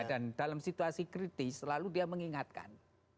dan dalam situasi kritis selalu dia mengingatkan